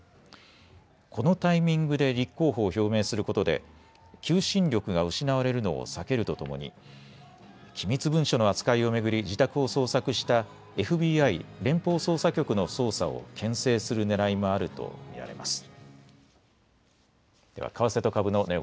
このタイミングで立候補を表明することで求心力が失われるのを避けるとともに機密文書の扱いを巡り自宅を捜索したＦＢＩ・連邦捜査局の捜査をけん制するねらいもあると見られます。